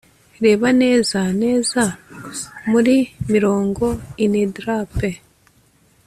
Reba neza neza muri mirongo inedrape